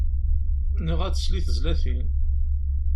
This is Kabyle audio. Neɣ ad tsel i tezlatin.